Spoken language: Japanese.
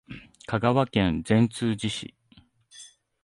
香川県善通寺市